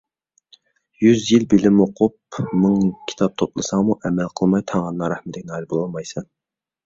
يۈز يىل بىلىم ئوقۇپ مىڭ كىتاب توپلىساڭمۇ ئەمەل قىلماي تەڭرىنىڭ رەھمىتىگە نائىل بولالمايسەن.